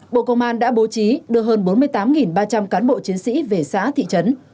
bộ công an đã bố trí đưa hơn bốn mươi tám ba trăm linh cán bộ chiến sĩ về xã thị trấn